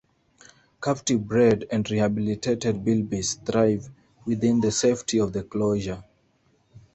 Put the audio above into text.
Captive bred and rehabilitated bilbies thrive within the safety of the enclosure.